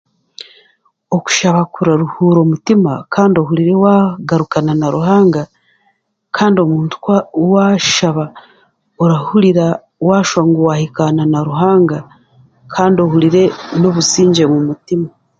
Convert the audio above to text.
Okushaba kura ruhuura omutima kandi ohurire wagarukana na ruhanga kandi omuntu washaba orahuriira washwa ngu wahikaana na ruhanga kandi ohuriire n'obusingye omu mutima.